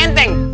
ini kan enteng